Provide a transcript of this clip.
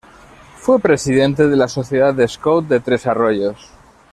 Fue presidente de la sociedad de Scout de Tres Arroyos.